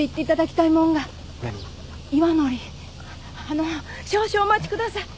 あの少々お待ちください。